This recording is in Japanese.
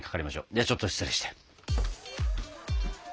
ではちょっと失礼して。